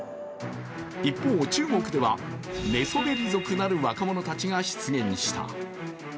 一方中国では、寝そべり族なる若者たちが出現した。